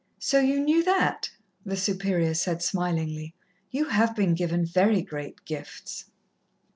"So you knew that?" the Superior said, smilingly. "You have been given very great gifts."